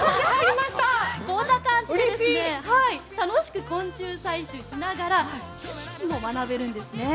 こんな感じで楽しく昆虫採集しながら知識も学べるんですね。